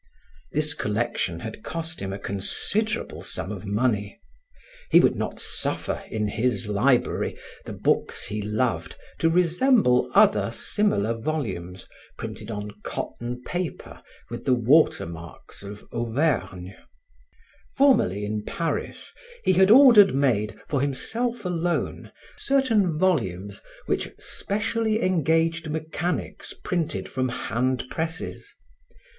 This collection had cost him a considerable sum of money. He would not suffer, in his library, the books he loved to resemble other similar volumes, printed on cotton paper with the watermarks of Auvergne. Formerly in Paris he had ordered made, for himself alone, certain volumes which specially engaged mechanics printed from hand presses.